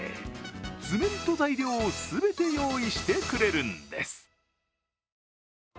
図面と材料を全て用意してくれるんです。